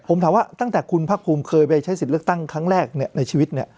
ผมถามว่าตั้งแต่คุณพักภูมิเคยไปใช้สิทธิ์เลือกตั้งครั้งแรกในชีวิตเนี่ย